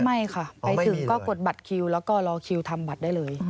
ไม่ค่ะไปถึงก็กดบัตรคิวแล้วก็รอคิวทำบัตรได้เลย